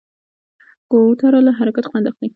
کوتره له حرکته خوند اخلي.